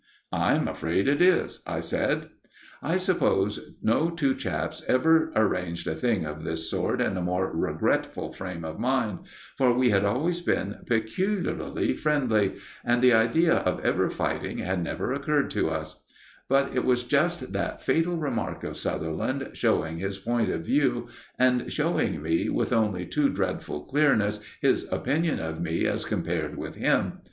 "I'm afraid it is," I said. I suppose no two chaps ever arranged a thing of this sort in a more regretful frame of mind, for we had always been peculiarly friendly, and the idea of ever fighting had never occurred to us; but it was just that fatal remark of Sutherland, showing his point of view, and showing me, with only too dreadful clearness, his opinion of me as compared with him.